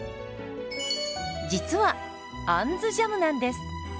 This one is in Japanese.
実は「あんずジャム」なんです。